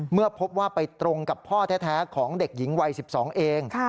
เมื่อพบว่าไปตรงกับพ่อแท้ของเด็กหญิงวัย๑๒เอง